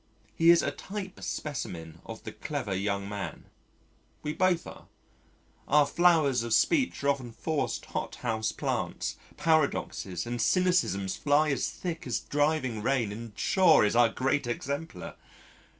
He is a type specimen of the clever young man. We both are. Our flowers of speech are often forced hot house plants, paradoxes and cynicisms fly as thick as driving rain and Shaw is our great exemplar.